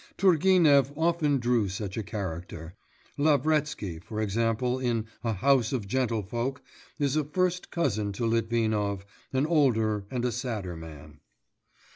Turgenev often drew such a character; Lavretsky, for example, in A House of Gentlefolk, is a first cousin to Litvinov, an older and a sadder man.